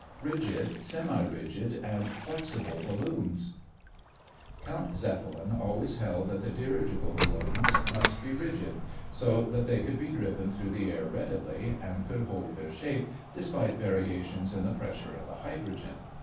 RIGID, SEMI RIGID, AND FLEXIBLE BALLOONS Count Zeppelin always held that the dirigible balloons must be rigid, so that they could be driven through the air readily and would hold their shape despite variations in the pressure of the hydrogen.